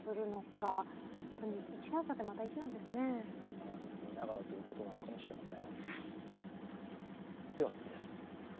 バランスを見ながらということなのかもかれません。